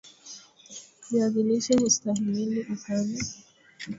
Viazi lishe hustahimili ukame